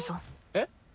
えっ？